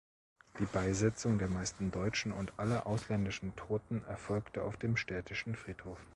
Die Beisetzung der meisten deutschen und aller ausländischen Toten erfolgte auf dem Städtischen Friedhof.